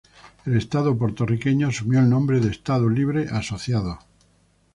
El estado puertorriqueño asumió el nombre de Estado Libre Asociado.